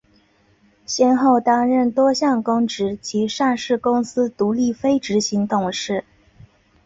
先后担任多项公职及上市公司独立非执行董事。